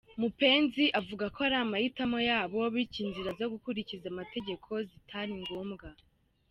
Mupenzi avuga ko ari amahitamo yabo bityo inzira zo gukurikiza amategeko zitari ngombwa.